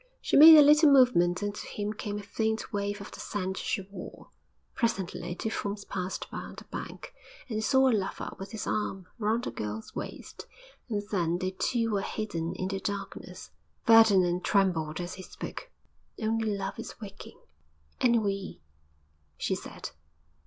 She made a little movement and to him came a faint wave of the scent she wore. Presently two forms passed by on the bank and they saw a lover with his arm round a girl's waist, and then they too were hidden in the darkness. Ferdinand trembled as he spoke. 'Only Love is waking!' 'And we!' she said.